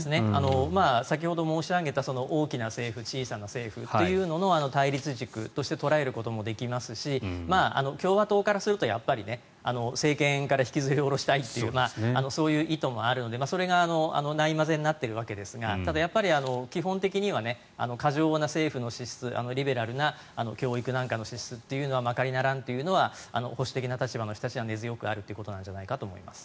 先ほど申し上げた大きな政府、小さな政府の対立軸として捉えることもできますし共和党からすると政権から引きずり下ろしたというそういう意図もあるので、それがない交ぜになってるわけですがただ、やっぱり基本的には過剰な政府の支出リベラルな教育なんかの支出はまかりならんというのは保守的な立場の人たちには根強くあるんじゃないかということだと思います。